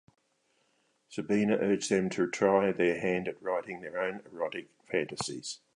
Sabina urged them to try their hand at writing their own erotic fantasies.